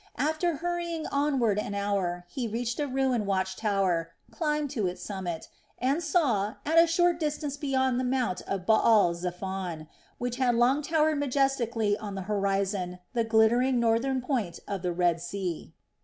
After hurrying onward an hour, he reached a ruined watch tower, climbed to its summit, and saw, at a short distance beyond the mount of Baal zephon, which had long towered majestically on the horizon, the glittering northern point of the Red Sea.